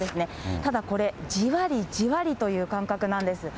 ただこれ、じわりじわりという感覚なんです。